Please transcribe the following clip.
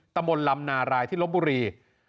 ตมลลำนาไรที่ลบบุรี